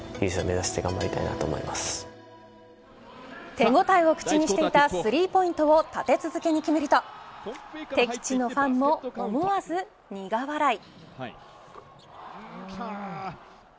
手応えを口にしていたスリーポイントを立て続けに決めると敵地のファンも思わず苦笑い。